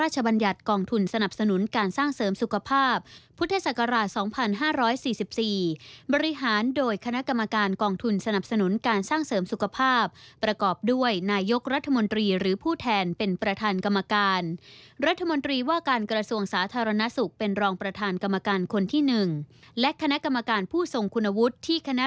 จากรายงานที่คณะรัฐมนตรีแต่งตั้งเป็นรองประธานกรรมการคนที่๒